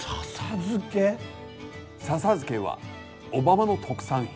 笹漬けは小浜の特産品。